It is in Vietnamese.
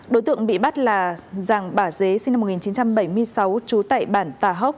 đối tượng bị bắt là giàng bà dế sinh năm một nghìn chín trăm bảy mươi sáu trú tại bản tà hốc